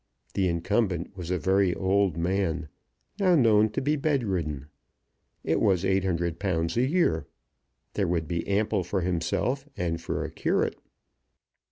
The incumbent was a very old man, now known to be bed ridden. It was £800 a year. There would be ample for himself and for a curate.